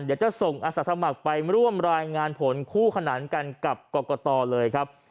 เดี๋ยวจะส่งอาสาสมัครไปร่วมรายงานผลคู่ขนานกันกับกรกตเลยครับ